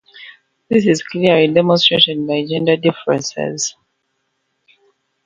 This is clearly demonstrated by gender differences.